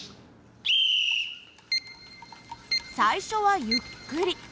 最初はゆっくり。